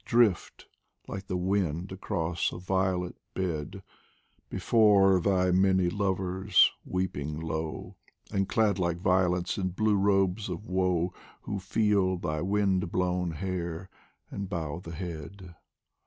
Drift, like the wind across a violet bed, Before thy many lovers, weeping low, And clad like violets in blue robes of woe, Who feel thy wind blown hair and bow the head.